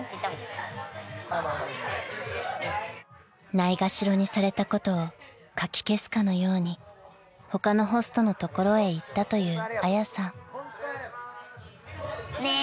［ないがしろにされたことをかき消すかのように他のホストの所へ行ったというあやさん］